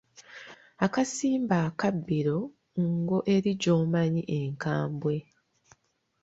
Akasimba akabbiro Ngo eri gy’omanyi enkambwe.